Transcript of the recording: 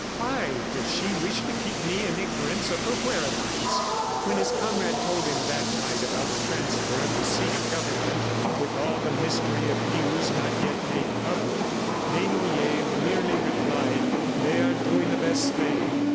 "Why does she wish to keep me in ignorance of her whereabouts?" When his comrade told him that night about the transfer of the seat of government, with all the mystery of news not yet made public, Desnoyers merely replied: "They are doing the best thing.